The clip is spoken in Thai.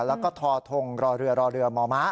แล้วก็ทอทงรอเรือรอเรือมอมม